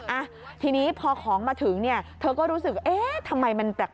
อ่ะทีนี้พอของมาถึงเนี่ยเธอก็รู้สึกเอ๊ะทำไมมันแปลก